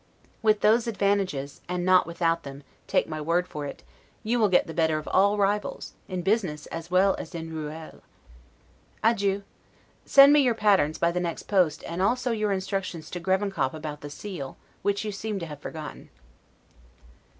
With those advantages (and not without them) take my word for it, you will get the better of all rivals, in business as well as in 'ruelles'. Adieu. Send me your patterns, by the next post, and also your instructions to Grevenkop about the seal, which you seem to have forgotten.